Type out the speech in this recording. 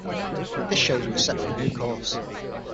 This shows we are set for a new course.